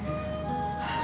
apapun bisa terjadi